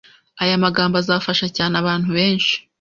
Aya magambo azafasha cyane abantu benshi,